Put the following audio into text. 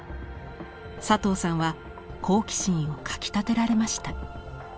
佐藤さんは好奇心をかきたてられました。